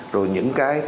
rồi những cái